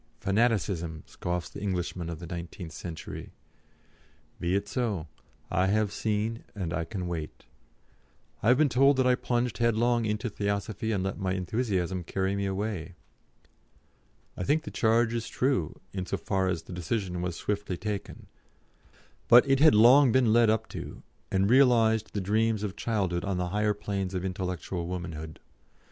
fanaticism!" scoffs the Englishman of the nineteenth century. Be it so. I have seen, and I can wait. I have been told that I plunged headlong into Theosophy and let my enthusiasm carry me away. I think the charge is true, in so far as the decision was swiftly taken; but it had been long led up to, and realised the dreams of childhood on the higher planes of intellectual womanhood.